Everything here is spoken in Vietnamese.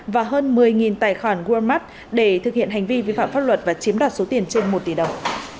và hơn một mươi tài khoản walmart để thực hiện hành vi vi phạm pháp luật và chiếm đoạt số tiền trên một tỷ đồng